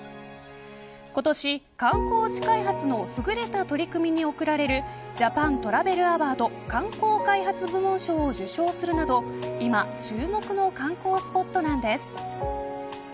今年、観光地開発の優れた取り組みに贈られるジャパントラベルアワード観光開発部門賞を受賞するなど今注目の観光スポットなんです。